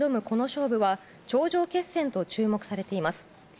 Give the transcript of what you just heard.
この勝負は頂上決戦と注目がされています。